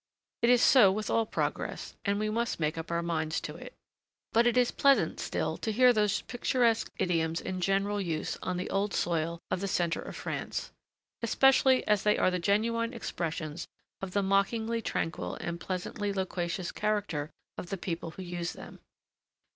It is so with all progress, and we must make up our minds to it. But it is pleasant still to hear those picturesque idioms in general use on the old soil of the centre of France; especially as they are the genuine expressions of the mockingly tranquil and pleasantly loquacious character of the people who use them.